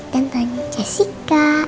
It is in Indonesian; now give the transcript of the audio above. dan tanya jessika